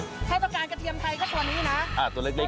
ถ้าต้องการกระเทียมไทยก็ตัวนี้นะตัวเล็ก